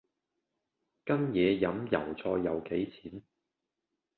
跟野飲油菜又幾錢